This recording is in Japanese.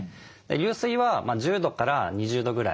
流水は１０度から２０度ぐらい。